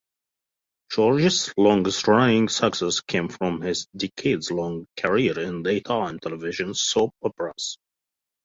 George's longest-running success came from his decades-long career in daytime television soap-operas.